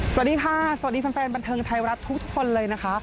สวัสดีค่ะสวัสดีแฟนบันเทิงไทยรัฐทุกคนเลยนะคะ